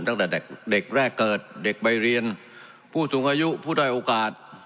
ตั้งแต่เด็กแรกเกิดเด็กใบเรียนผู้สูงอายุผู้ด้อยโอกาส